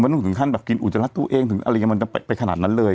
ต้องถึงขั้นแบบกินอุจจารัสตัวเองถึงอะไรอย่างนี้มันจะไปขนาดนั้นเลย